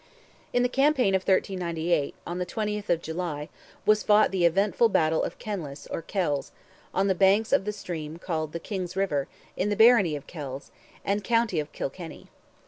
In the campaign of 1398, on the 20th of July, was fought the eventful battle of Kenlis, or Kells, on the banks of the stream called "the King's river," in the barony of Kells, and county of Kilkenny.